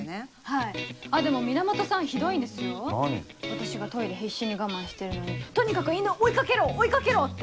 私がトイレ必死に我慢してるのにとにかく犬を追い掛けろ追い掛けろって。